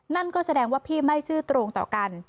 นั่นก็แสดงว่าพี่ไม่ซื่อตรงต่อกัน